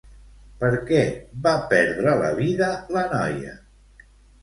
Per què va perdre la vida la noia?